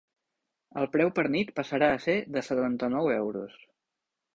El preu per nit passarà a ser de setanta-nou euros.